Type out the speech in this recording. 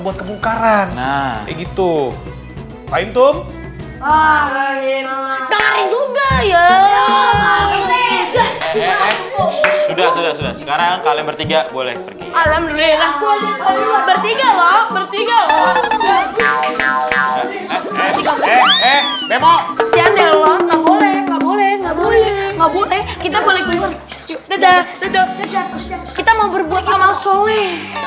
berhubung kata kata multiplication